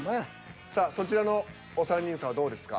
さあそちらのお三人さんはどうですか？